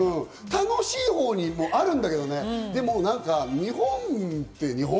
楽しいほうもあるんだけどね。